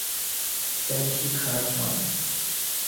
Feng shui খারাপ নয়।